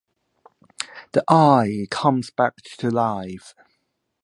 The eye comes back to life.